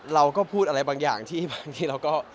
เราก็พูดอะไรบางอย่างที่บางทีเราก็